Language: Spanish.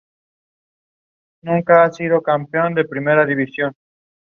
No hay una sola prueba para confirmar la presencia del Síndrome Weill-Marchesani.